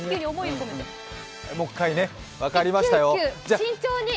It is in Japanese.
分かりましたよ。